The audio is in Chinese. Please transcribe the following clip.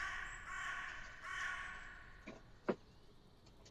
曾祖父赵愈胜。